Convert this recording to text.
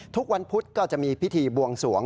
ทุกวันพุธก็จะมีพิธีบวงสวง